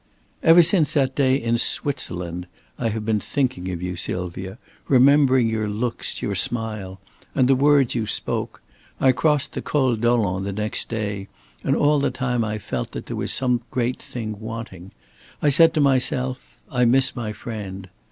"Ever since that day in Switzerland, I have been thinking of you, Sylvia, remembering your looks, your smile, and the words you spoke. I crossed the Col Dolent the next day, and all the time I felt that there was some great thing wanting. I said to myself, 'I miss my friend.'